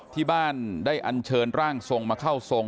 ที่บ้านได้อันเชิญร่างทรงมาเข้าทรง